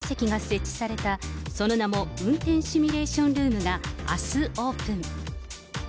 部屋の片隅に運転席が設置されたその名も運転シミュレーションルームがあすオープン。